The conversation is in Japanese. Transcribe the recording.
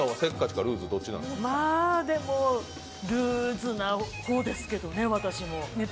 まあでもルーズな方ですけどね